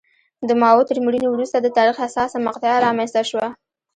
د ماوو تر مړینې وروسته د تاریخ حساسه مقطعه رامنځته شوه.